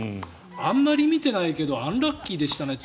あんまり見ていないけどアンラッキーだったねって。